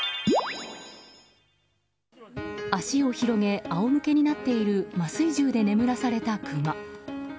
足を広げ仰向けになっている麻酔銃で眠らされたクマ。